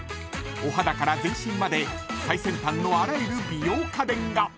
［お肌から全身まで最先端のあらゆる美容家電が！］